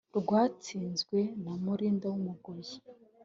rwatsinzwe na Mulinda w’Umugoyi